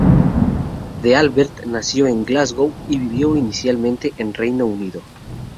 D’Albert nació en Glasgow y vivió inicialmente en Reino Unido.